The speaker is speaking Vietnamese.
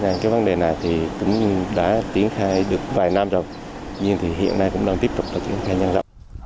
nên cái vấn đề này thì cũng đã triển khai được vài năm rồi nhưng thì hiện nay cũng đang tiếp tục là triển khai nhanh rộng